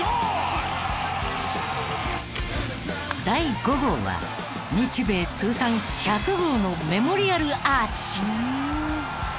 第５号は日米通算１００号のメモリアルアーチ。